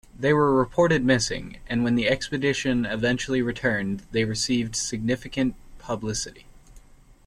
They were reported missing and when the expedition eventually returned they received significant publicity.